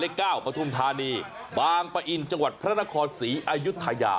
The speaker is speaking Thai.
๙ปฐุมธานีบางปะอินจังหวัดพระนครศรีอายุทยา